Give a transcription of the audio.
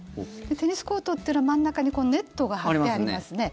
テニスコートというのは真ん中にネットが張ってありますね。